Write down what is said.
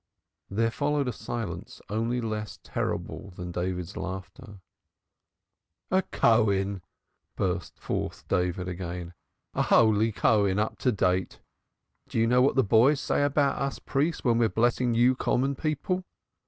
There followed a silence only less terrible than David's laughter. "A Cohen," burst forth David again. "A holy Cohen up to date. Do you know what the boys say about us priests when we're blessing you common people?